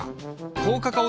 高カカオ